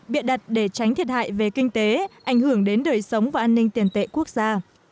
biện đặt để tránh thiệt hại về kinh tế ảnh hưởng đến đời sống và an ninh tiền tệ quốc gia